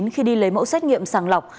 khi đi lấy mẫu xét nghiệm sàng lọc